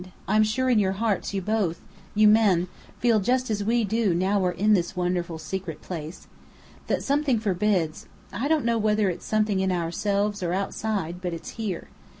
I'm sure in your hearts you both you men feel just as we do now we're in this wonderful secret place. That something forbids I don't know whether it's something in ourselves or outside, but it's here.